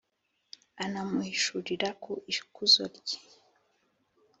anamuhishurira ku ikuzo rye.